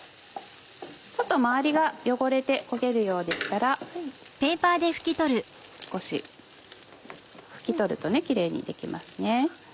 ちょっと周りが汚れて焦げるようでしたら少し拭き取るとキレイに出来ますね。